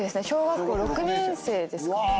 小学校６年生ですかね。